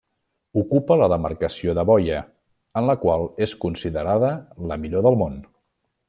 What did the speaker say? Ocupa la demarcació de boia, en la qual és considerada la millor del món.